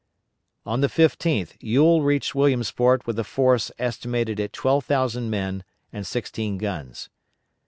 On the 15th Ewell reached Williamsport with a force estimated at twelve thousand men and sixteen guns.